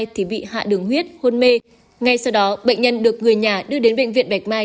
thì bị hạ đường huyết hôn mê ngay sau đó bệnh nhân được người nhà đưa đến bệnh viện bạch mai